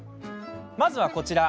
まずは、こちら。